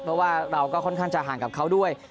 เพราะว่าเราก็ค่อนข้างจะห่างกับเขาด้วย